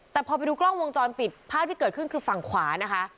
แต่พอไปดูกล้องวงจรปิดภาพที่เกิดขึ้นคือฝั่งขวานะคะ